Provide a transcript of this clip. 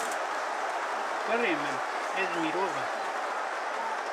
Kurê min, ez mirov im.